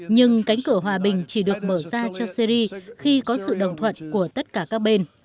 nhưng cánh cửa hòa bình chỉ được mở ra cho syri khi có sự đồng thuận của tất cả các bên